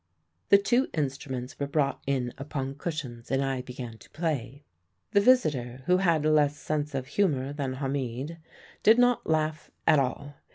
"The two instruments were brought in upon cushions, and I began to play. The visitor who had less sense of humour than Hamid did not laugh at all.